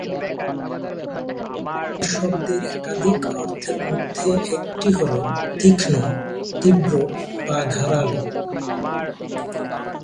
আবার, 'আল' শব্দের একাধিক অর্থের মধ্যে একটি হল 'তীক্ষ্ণ', 'তীব্র' বা 'ধারালো'।